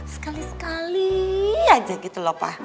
sekali sekali aja gitu loh pak